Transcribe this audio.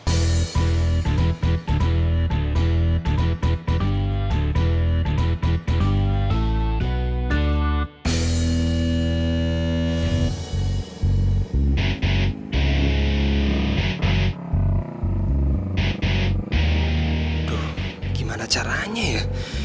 aduh gimana caranya ya